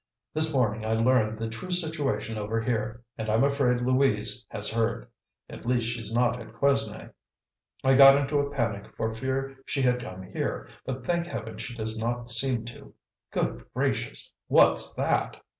This morning I learned the true situation over here; and I'm afraid Louise has heard; at least she's not at Quesnay. I got into a panic for fear she had come here, but thank heaven she does not seem to Good gracious! What's THAT?"